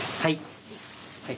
はい。